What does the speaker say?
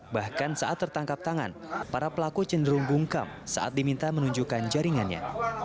bahkan saat tertangkap tangan para pelaku cenderung bungkam saat diminta menunjukkan jaringannya